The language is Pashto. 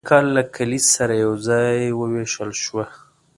د نوي کال له کلیز سره یوځای وویشل شوه.